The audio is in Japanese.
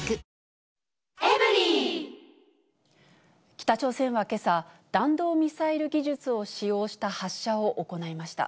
北朝鮮はけさ、弾道ミサイル技術を使用した発射を行いました。